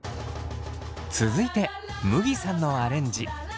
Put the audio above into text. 続いてむぎさんのアレンジ。